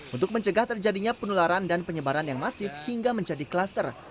untuk mencegah terjadinya penularan dan penyebaran yang masif hingga menjadi kluster